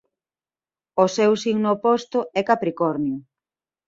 O seu signo oposto é Capricornio.